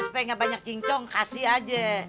supaya nggak banyak cincong kasih aja